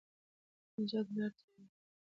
د نجات لاره تړلې ده.